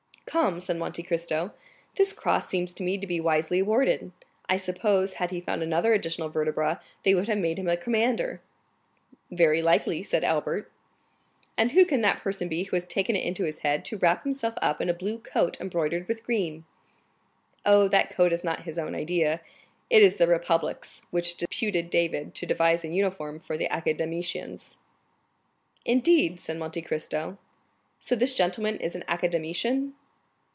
"Come," said Monte Cristo, "this cross seems to me to be wisely awarded. I suppose, had he found another additional vertebra, they would have made him a commander." "Very likely," said Albert. "And who can that person be who has taken it into his head to wrap himself up in a blue coat embroidered with green?" "Oh, that coat is not his own idea; it is the Republic's, which deputed David12 to devise a uniform for the Academicians." "Indeed?" said Monte Cristo; "so this gentleman is an Academician?"